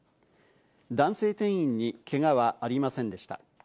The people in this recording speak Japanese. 男性店員にけがはありませんでした。